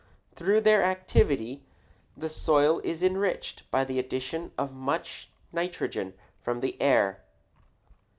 Through their activity the soil is enriched by the addition of much nitrogen from the air.